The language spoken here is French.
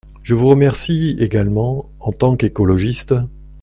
Je vous remercie également en tant qu’écologiste.